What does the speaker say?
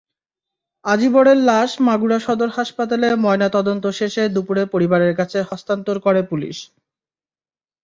আজিবরের লাশ মাগুরা সদর হাসপাতালে ময়নাতদন্ত শেষে দুপুরে পরিবারের কাছে হস্তান্তর করে পুলিশ।